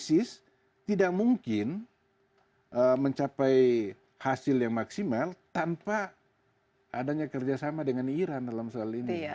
dan untuk menghabisi isis tidak mungkin mencapai hasil yang maksimal tanpa adanya kerjasama dengan iran dalam soal ini